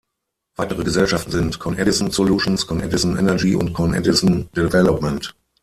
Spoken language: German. Weitere Gesellschaften sind "Con Edison Solutions", "Con Edison Energy" und "Con Edison Development".